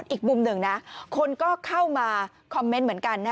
อีกมุมหนึ่งนะคนก็เข้ามาคอมเมนต์เหมือนกัน